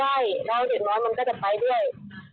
แล้วถือมน้อยมันก็จะไปด้วย